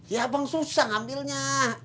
ya bang susah ngambilnya